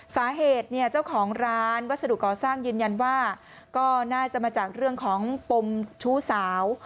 สาเหตุเนี่ยเจ้าของร้านวัสดุก่อสร้างยืนยันว่าก็น่าจะมาจากเรื่องของปมชู้สาว